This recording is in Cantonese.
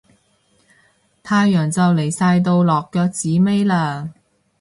太陽就嚟晒到落腳子尾喇